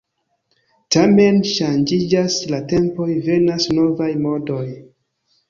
Tamen ŝanĝiĝas la tempoj, venas novaj modoj.